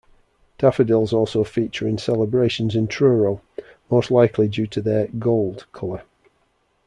Daffodils also feature in celebrations in Truro, most likely due to their 'gold' colour.